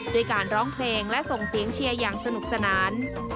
ด้วยการร้องเพลงและส่งเสียงเชียร์อย่างสนุกสนาน